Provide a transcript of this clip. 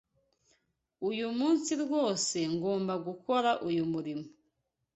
Uyu munsi rwose ngomba gukora uyu murimo.